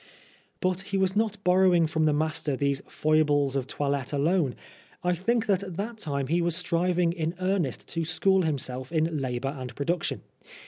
* But he was not borrowing from the master these foibles of toilette alone. I think that at that time he . was striving in earnest to school himself into labour and production.